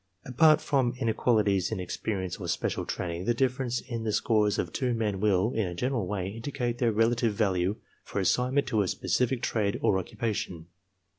Apart from inequalities in experience or special training, the difference in the scores of two men will, in a general way, indicate their relative value for assignment to a specific trade or occupation.